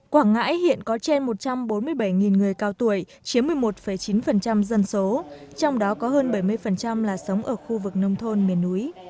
quảng ngãi hiện có trên một trăm bốn mươi bảy người cao tuổi chiếm một mươi một chín dân số trong đó có hơn bảy mươi là sống ở khu vực nông thôn miền núi